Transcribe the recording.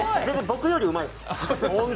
僕よりうまいです。